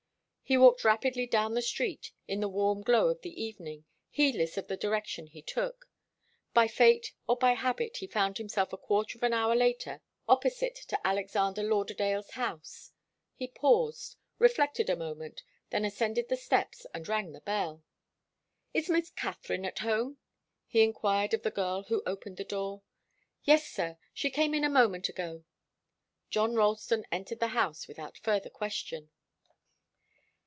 He walked rapidly down the street in the warm glow of the evening, heedless of the direction he took. By fate or by habit, he found himself a quarter of an hour later opposite to Alexander Lauderdale's house. He paused, reflected a moment, then ascended the steps and rang the bell. "Is Miss Katharine at home?" he enquired of the girl who opened the door. "Yes, sir. She came in a moment ago." John Ralston entered the house without further question.